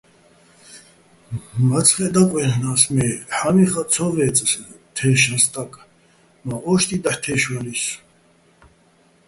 მაცხეჸ დაკვაჲლ'ნა́ს, მე ჰ̦ა́მიხაჸ ცო ვე́წე̆ თეშაჼ სტაკ, მა́ ო́შტიჸ დაჰ̦ თე́შვალისო̆.